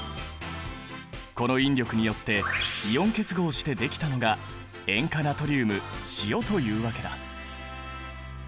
この引力によってイオン結合してできたのが塩化ナトリウム塩というわけだ。